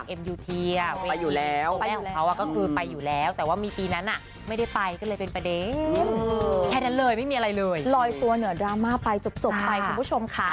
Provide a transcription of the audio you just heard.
ก็มีงงมีงานกับเขาอยู่